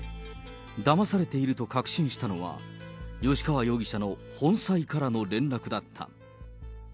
だまされていると確信したのは、吉川容疑者の本妻からの連絡だった。